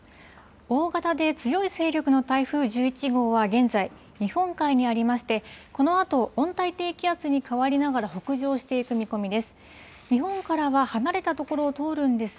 大型で強い勢力の台風１１号は、現在、日本海にありまして、このあと温帯低気圧に変わりながら北上していく見込みです。